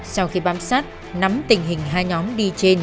sau khi bám sát nắm tình hình hai nhóm đi trên